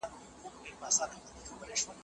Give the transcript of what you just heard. دا ودانۍ په ډېر مهارت جوړه سوي ده.